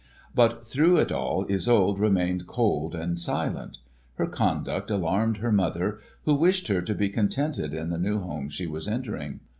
But through it all Isolde remained cold and silent. Her conduct alarmed her mother, who wished her to be contented in the new home she was entering.